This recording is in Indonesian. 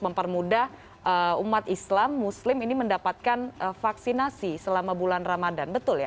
mempermudah umat islam muslim ini mendapatkan vaksinasi selama bulan ramadan betul ya